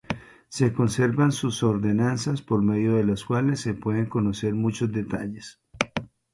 Se conservan sus ordenanzas por medio de las cuales se pueden conocer muchos detalles.